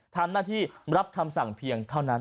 ทำหน้าที่รับคำสั่งเพียงเท่านั้น